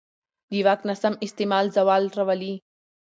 د واک ناسم استعمال زوال راولي